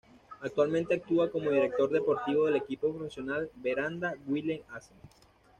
Actualmente actúa como director deportivo del equipo profesional Veranda´s Willems-Accent.